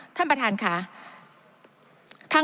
ท่านประธานค่ะ